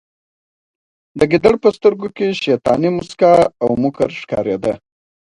د ګیدړ په سترګو کې شیطاني موسکا او مکر ښکاریده